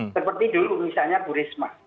seperti dulu misalnya bu risma